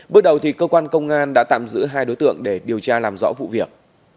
bước đầu thì cơ quan công an đã tạm giữ hai đối tượng để điều tra làm rõ vụ việc